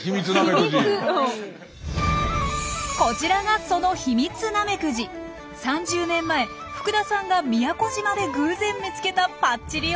こちらがその３０年前福田さんが宮古島で偶然見つけたパッチリ